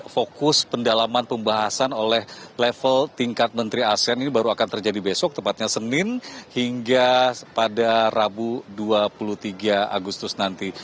fokus pendalaman pembahasan oleh level tingkat menteri asean ini baru akan terjadi besok tepatnya senin hingga pada rabu dua puluh tiga agustus nanti